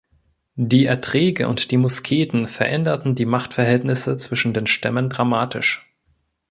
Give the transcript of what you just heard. Die Erträge und die Musketen veränderten die Machtverhältnisse zwischen den Stämmen dramatisch.